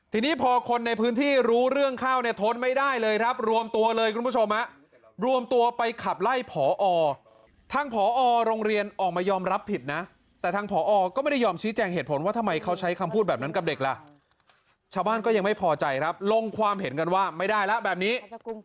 ทีนี้พอคนในพื้นที่รู้เรื่องเข้าเนี่ยทนไม่ได้เลยครับรวมตัวเลยคุณผู้ชมรวมตัวไปขับไล่ผอทางผอโรงเรียนออกมายอมรับผิดนะแต่ทางผอก็ไม่ได้ยอมชี้แจงเหตุผลว่าทำไมเขาใช้คำพูดแบบนั้นกับเด็กล่ะชาวบ้านก็ยังไม่พอใจครับลงความเห็นกันว่าไม่ได้แล้วแบบนี้